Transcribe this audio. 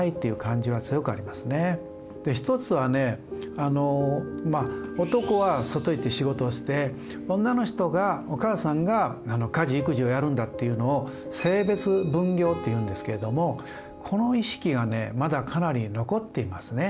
あのまあ男は外行って仕事をして女の人がお母さんが家事・育児をやるんだっていうのを性別分業っていうんですけれどもこの意識がねまだかなり残っていますね。